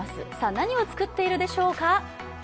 何を作っているでしょうか。